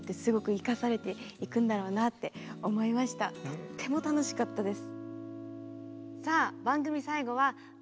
とっても楽しかったです。